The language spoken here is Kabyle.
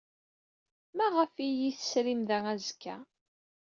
Maɣef ay iyi-tesrim da azekka?